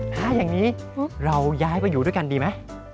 ถ้าอย่างนี้เราย้ายไปอยู่ด้วยกันดีไหม